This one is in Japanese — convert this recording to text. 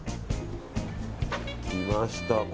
来ました。